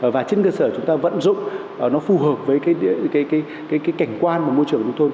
và trên cơ sở chúng ta vẫn dụng nó phù hợp với cái cảnh quan môi trường của nông thôn